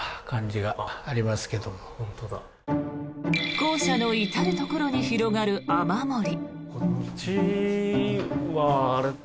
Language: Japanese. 校舎の至るところに広がる雨漏り。